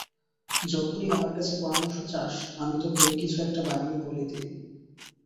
যখনই আমার কাছে পরামর্শ চাস, আমি তোকে কিছু একটা বানিয়ে বলে দিই।